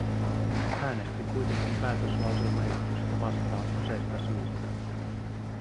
Äänestin kuitenkin päätöslauselmaesitystä vastaan useista syistä.